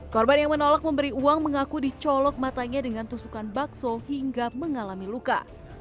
korban yang menolak memberi uang mengaku dicolok matanya dengan tusukan bakso hingga mengalami luka